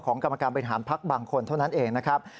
กรรมการบริหารพักบางคนเท่านั้นเองนะครับ